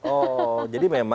oh jadi memang